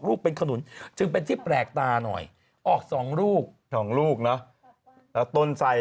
ลูกเป็นขนุนจึงเป็นที่แปลกตาหน่อยออก๒ลูก๒ลูกเนอะแล้วต้นใส่